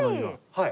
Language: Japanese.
はい。